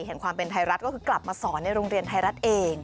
เห็นความเป็นไทยรัฐก็คือกลับมาสอนในโรงเรียนไทยรัฐเอง